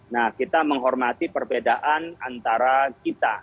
nah kita menghormati perbedaan antara kita